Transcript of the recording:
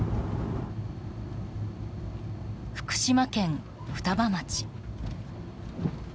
福島県双葉町。